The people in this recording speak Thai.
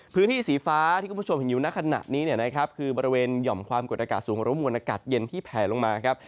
พื้นที่สีฟ้าที่คุณผู้ชมเห็นอยู่ในขณะนี้เนี่ยนะครับคือบริเวณหย่อมความกดอากาศสูงหรือมวลอากาศเย็นที่แผลลงมาครับ